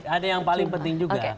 ada yang paling penting juga